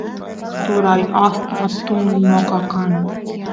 turay astan atun noqa kan